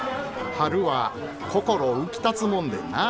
春は心浮きたつもんでんなぁ。